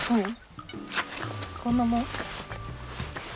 こんなもん。